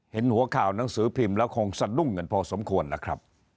เห็นหัวข่าวหนังสือพิมพ์แล้วคงสะดุ้งกันพอสมควรนะครับ